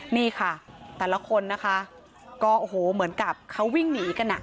นี่ค่ะแต่ละคนนะคะก็โอ้โหเหมือนกับเขาวิ่งหนีกันอ่ะ